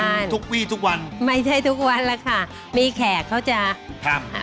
ทำมันทุกวีทุกวันไม่ใช่ทุกวันล่ะค่ะมีแขกเขาจะทำ